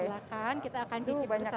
silahkan kita akan cicipin bersama